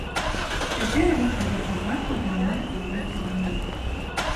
Цяпер лік такіх выпадкаў плануецца звесці да нуля.